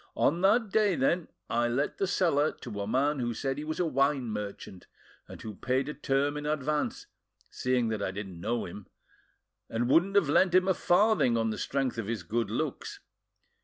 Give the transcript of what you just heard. "On that day, then, I let the cellar to a man who said he was a wine merchant, and who paid a term in advance, seeing that I didn't know him, and wouldn't have lent him a farthing on the strength of his good looks.